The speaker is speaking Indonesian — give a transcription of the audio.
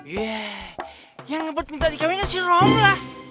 yee yang ngebet minta dikawin kan si romlah